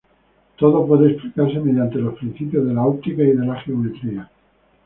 Todo puede explicarse mediante los principios de la óptica y de la geometría.